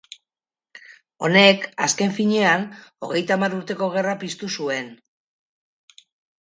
Honek, azken finean, Hogeita Hamar Urteko Gerra piztu zuen.